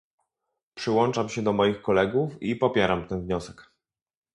Przyłączam się do moich kolegów i popieram ten wniosek